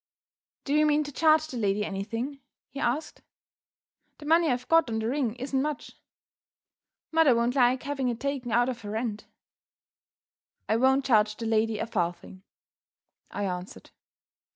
"Do you mean to charge the lady anything?" he asked. "The money I've got on the ring isn't much. Mother won't like having it taken out of her rent." "I won't charge the lady a farthing," I answered.